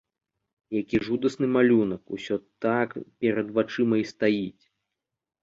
Які жудасны малюнак, усё так перад вачыма і стаіць!